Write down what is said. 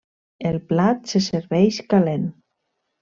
El plat se serveix calent.